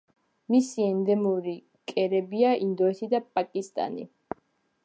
მისი ენდემური კერებია ინდოეთი და პაკისტანი.